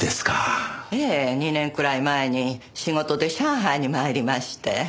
ええ２年くらい前に仕事で上海に参りまして。